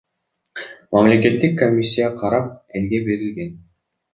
Мамлекеттик комиссия карап, элге берилген.